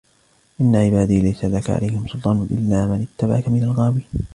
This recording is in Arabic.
إِنَّ عِبَادِي لَيْسَ لَكَ عَلَيْهِمْ سُلْطَانٌ إِلَّا مَنِ اتَّبَعَكَ مِنَ الْغَاوِينَ